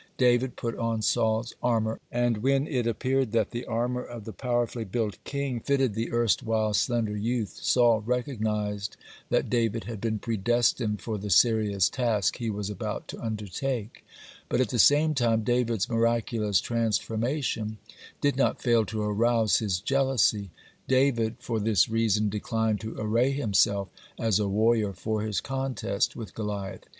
David put on Saul's armor, and when it appeared that the armor of the powerfully built king fitted the erstwhile slender youth, Saul recognized that David had been predestined for the serious task he was about to undertake, but at the same time David's miraculous transformation did not fail to arouse his jealousy. (35) David, for this reason, declined to array himself as a warrior for his contest with Goliath.